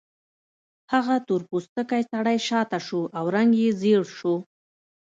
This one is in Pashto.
هغه تور پوستکی سړی شاته شو او رنګ یې ژیړ شو